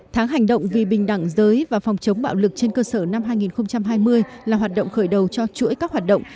tháng hành động vì bình đẳng giới và phòng chống bạo lực trên cơ sở năm hai nghìn hai mươi là hoạt động khởi đầu cho chuỗi các hoạt động